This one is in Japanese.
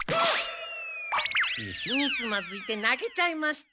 石につまずいて投げちゃいました。